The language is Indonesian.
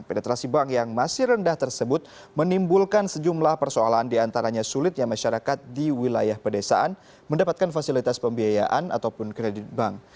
penetrasi bank yang masih rendah tersebut menimbulkan sejumlah persoalan diantaranya sulitnya masyarakat di wilayah pedesaan mendapatkan fasilitas pembiayaan ataupun kredit bank